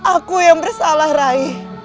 aku yang bersalah rai